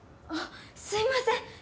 あっすいません。